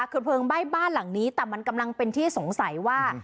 คือเพลิงไหม้บ้านหลังนี้แต่มันกำลังเป็นที่สงสัยว่า